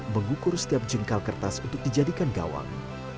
mengukur setiap jengkal kertas untuk dijadikan gawang